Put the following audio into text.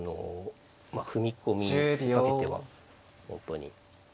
踏み込みにかけては本当に。